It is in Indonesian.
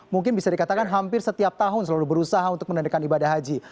mungkin bisa dikatakan hampir setiap tahun selalu berusaha untuk menandakan ibadah haji